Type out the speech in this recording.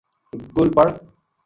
گل پڑ